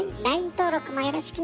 登録もよろしくね。